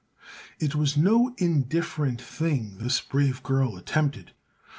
It was no indifferent thing this brave girl attempted.